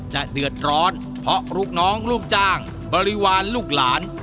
จะเดือดร้อนเพราะลูกน้องลูกจ้างบริวารลูกหลาน